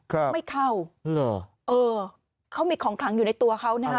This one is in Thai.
ครับไม่เข้าเหรอเออเขามีของขลังอยู่ในตัวเขานะฮะ